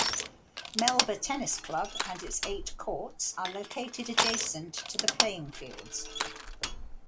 Melba Tennis Club and its eight courts are located adjacent to the playing fields.